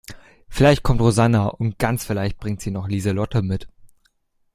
Vielleicht kommt Rosanna und ganz vielleicht bringt sie noch Lieselotte mit.